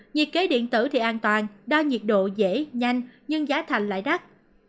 nhiệt kế điện tử thì an toàn đo nhiệt độ dễ nhanh nhưng giá thành lại đắt